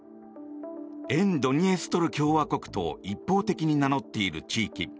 沿ドニエストル共和国と一方的に名乗っている地域。